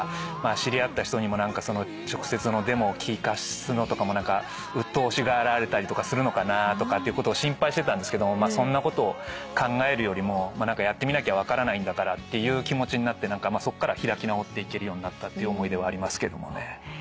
知り合った人に直接デモを聴かすのとかもうっとうしがられたりするのかなってことを心配してたんですけどそんなこと考えるよりもやってみなきゃ分からないっていう気持ちになってそっから開き直っていけるようになったっていう思い出はありますけどもね。